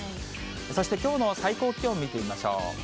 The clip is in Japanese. そしてきょうの最高気温見てみましょう。